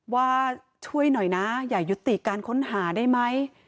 ว่าช่วยหน่อยนะอย่ายุติการค้นหาได้ไหม